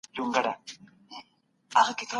ځینې وخت د تنقیدي غږونو یادونه ډډه کېږي.